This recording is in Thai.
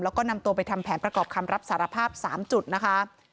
แล้วก็นำตัวไปทำแผนประกอบคำรับสารภาพ๓จุดนะคะ